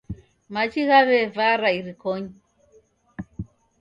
Machi ghaw'evara irikonyi.